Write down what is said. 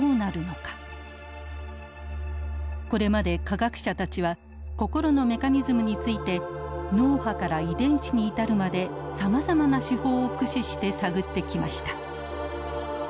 これまで科学者たちは心のメカニズムについて脳波から遺伝子に至るまでさまざまな手法を駆使して探ってきました。